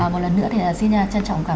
một lần nữa thì xin trân trọng cảm ơn